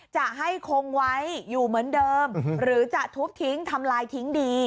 จะให้คงไว้อยู่เหมือนเดิมหรือจะทุบทิ้งทำลายทิ้งดี